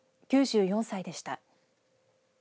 ９４歳でした。